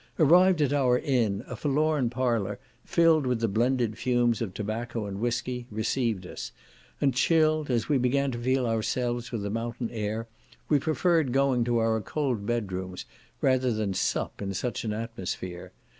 Arrived at our inn, a forlorn parlour, filled with the blended fumes of tobacco and whiskey, received us; and chilled, as we began to feel ourselves with the mountain air, we preferred going to our cold bedrooms rather than sup in such an atmosphere.